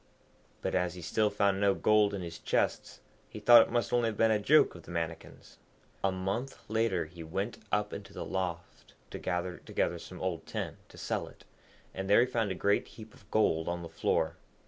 But as he still found no gold in his chests, he thought it must only have been a joke of the Mannikin's. A month later he went up into the loft to gather together some old tin to sell it, and there he found a great heap of gold on the floor.